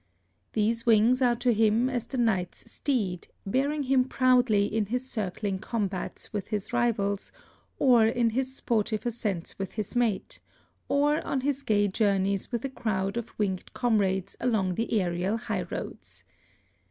These wings are to him as the knight's steed, bearing him proudly in his circling combats with his rivals, or in his sportive ascents with his mate, or on his gay journeys with a crowd of winged comrades along the aerial highroads.